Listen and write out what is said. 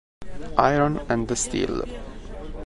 Iron and Steel